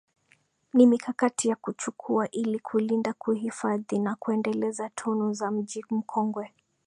Ni mikakati ya kuchukua ili kulinda kuhifadhi na kuendeleza tunu za Mji Mkongwe